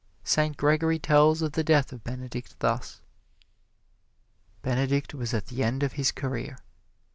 Saint Gregory tells of the death of Benedict thus: Benedict was at the end of his career.